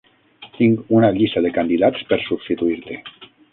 Tinc una llista de candidats per substituir-te.